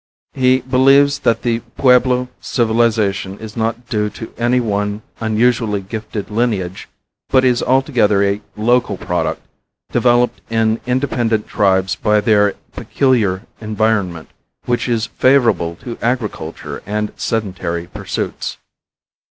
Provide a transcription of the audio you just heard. He believes that the Pueblo civilization is not due to any one unusually gifted lineage, but is altogether a local product, developed in independent tribes by their peculiar environment, which is favorable to agriculture and sedentary pursuits.